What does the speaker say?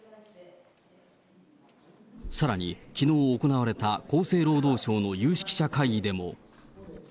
さらに、きのう行われた厚生労働省の有識者会議でも。